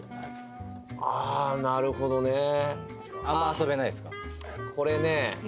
あなるほどね。